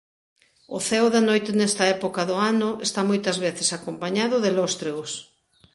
O ceo da noite nesta época do ano está moitas veces acompañado de lóstregos.